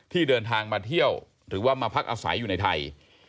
เดินทางมาเที่ยวหรือว่ามาพักอาศัยอยู่ในไทย